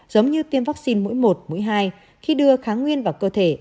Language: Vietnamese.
giống như tiêm vaccine mũi một mũi hai khi đưa kháng nguyên vào cơ thể